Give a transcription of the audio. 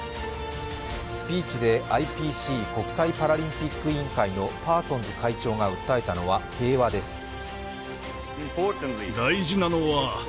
スピーチでＩＰＣ＝国際パラリンピック委員会のパーソンズ会長が訴えたのは平和です。